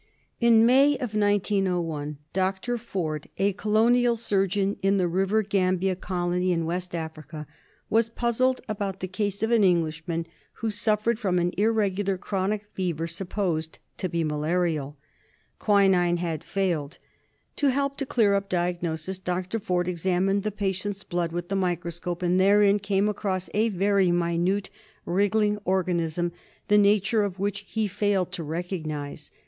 In May, igor, Dr. Forde, a Colonial Surgeon in the River Gambia Colony in West Africa, was puzzled about the case of an Englishman who suffered from an irregular chronic fever, supposed to be malarial. Quinine had failed. To help to clear up diagnosis Dr. Forde examined the patient's blood with the microscope, and therein came across a very minute wriggling organism the nature of which he failed to recognise.